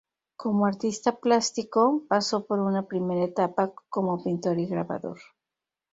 Como artista plástico, pasó por una primera etapa como pintor y grabador.